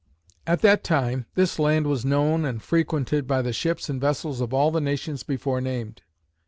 "At that time, this land was known and frequented by the ships and vessels of all the nations before named.